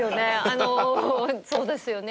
あのそうですよね